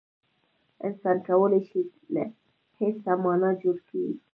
انسان کولای شي له هېڅه مانا جوړ کړي.